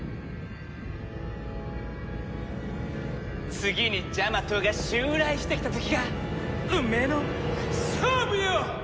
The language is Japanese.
次にジャマトが襲来してきた時が運命の勝負よ！